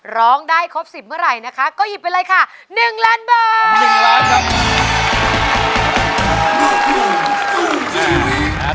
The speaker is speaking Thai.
ร้องได้ครบ๑๐เมื่อไหร่นะคะก็หยิบไปเลยค่ะ๑ล้านบาท๑ล้านครับ